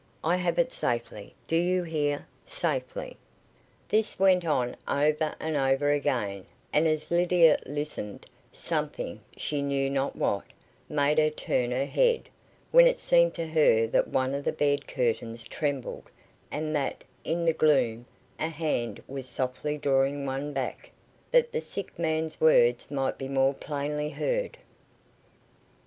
I have it safely do you hear? safely." This went on over and over again, and as Lydia listened, something, she knew not what, made her turn her head, when it seemed to her that one of the bed curtains trembled, and that, in the gloom, a hand was softly drawing one back, that the sick man's words might be more plainly heard.